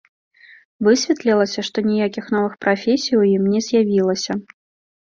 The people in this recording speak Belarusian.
Высветлілася, што ніякіх новых прафесій у ім не з'явілася.